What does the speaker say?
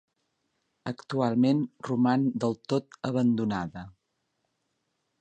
Actualment roman del tot abandonada.